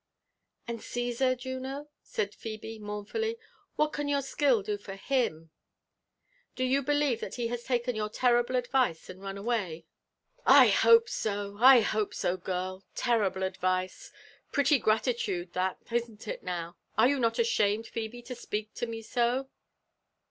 '*And Cssar, Juno?*' said Phebe mournfully, '*what can your skill do for him? Do you believe that he has taken your terrible advice and run away f\ JONATHAN JEFFERSON WHITLAW. 16S ^: '*I hope so — I hope so, girl. Terrible advice I — prelly gra titude Ihat, isn't it now? Are you not ashamed, Phebe, to speak to me so?"